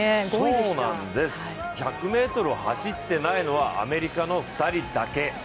１００ｍを走っていないのはアメリカの２人だけ。